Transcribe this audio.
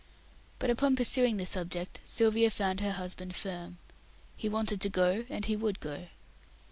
But upon pursuing the subject, Sylvia found her husband firm. He wanted to go, and he would go.